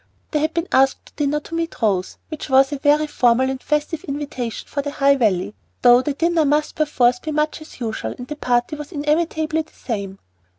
They had been asked to dinner to meet Rose, which was a very formal and festive invitation for the High Valley, though the dinner must perforce be much as usual, and the party was inevitably the same.